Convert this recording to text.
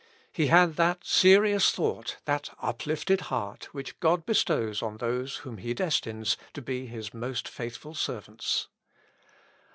He had that serious thought, that uplifted heart, which God bestows on those whom he destines to be his most faithful servants.